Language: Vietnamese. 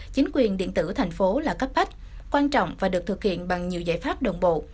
chính quyền điện tử thành phố là cấp bách quan trọng và được thực hiện bằng nhiều giải pháp đồng bộ